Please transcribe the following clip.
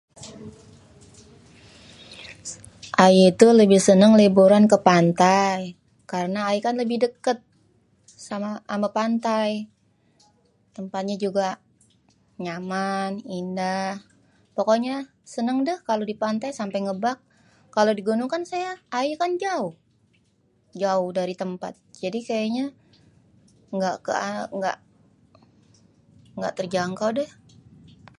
Ayé tuh lebih seneng liburan ke pantai, karena ayé lebih deket ame pantai, tempatnye juga nyaman, indah, pokoknye seneng deh kalo di pantai sampe ngebak kalau di gunung kan ayé jauh, jauh dari tempat jadi kayanye engga terjangkau deh.